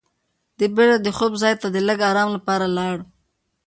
دی بېرته د خوب ځای ته د لږ ارام لپاره لاړ.